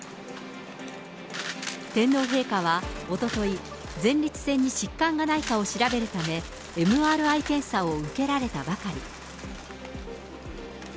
天皇陛下はおととい、前立腺に疾患がないかを調べるため、ＭＲＩ検査を受けられたばかり。